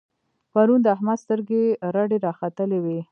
پرون د احمد سترګې رډې را ختلې وې.